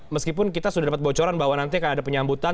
meskipun kita sudah dapat bocoran bahwa nanti akan ada penyambutan